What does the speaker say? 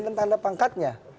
dan tanda pangkatnya